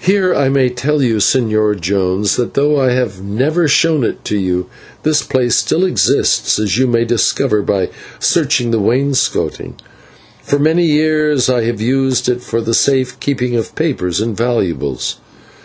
And here I may tell you, Señor Jones, that, though I have never shown it to you, this place still exists, as you may discover by searching the wainscoting. For many years I have used it for the safe keeping of papers and valuables.